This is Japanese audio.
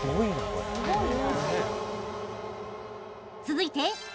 続いて。